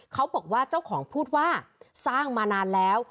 เขาบอกว่าเจ้าของพูดว่าสร้างมานานแล้ว